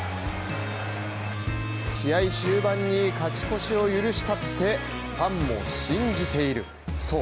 試合終盤に勝ち越しを許したってファンも信じているそう。